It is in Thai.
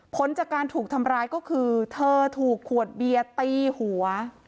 ผลจากการถูกทำร้ายก็คือเธอถูกขวดเบียร์ตีหัว